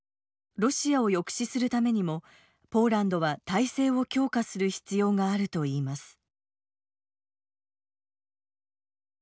ロシアを抑止するためにもポーランドは態勢を強化する必要があると言います。